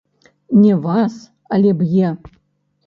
Не вас, але б'е?